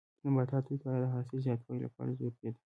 د نباتو وقایه د حاصل د زیاتوالي لپاره ضروري ده.